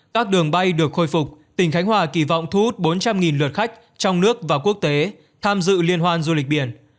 các đường bay được khôi phục tỉnh khánh hòa kỳ vọng thu hút bốn trăm linh lượt khách trong nước và quốc tế tham dự liên hoan du lịch biển